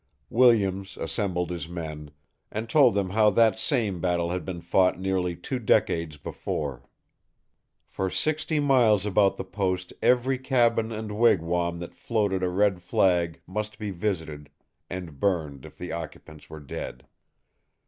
Williams assembled his men, and told them how that same battle had been fought nearly two decades before. For sixty miles about the post every cabin and wigwam that floated a red flag must be visited and burned if the occupants were dead.